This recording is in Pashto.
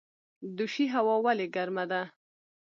دوشي هوا ولې ګرمه ده؟